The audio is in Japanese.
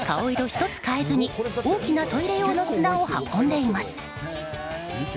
一つ変えずに大きなトイレ用の砂を運んでいます。